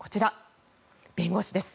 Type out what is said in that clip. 弁護士です。